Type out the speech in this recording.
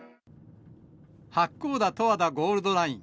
八甲田・十和田ゴールドライン。